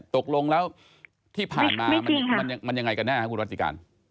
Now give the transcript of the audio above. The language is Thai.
ตกลงแล้วที่ผ่านมามันยังไงกันแน่ครับคุณวัติการ